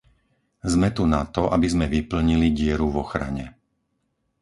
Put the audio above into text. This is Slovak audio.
Sme tu na to, aby sme vyplnili dieru v ochrane.